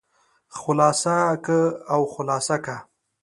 خلاصه که او خلاصه که.